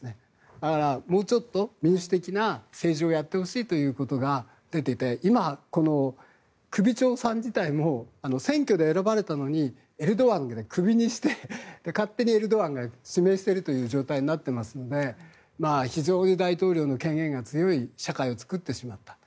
だから、もうちょっと民主的な政治をやってほしいということが出てて今、首長さん自体も選挙で選ばれたのにエルドアンがクビにして勝手にエルドアンが指名しているという状態になっていますので非常に大統領の権限が強い社会を作ってしまった。